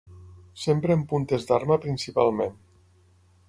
S'empra en puntes d'arma principalment.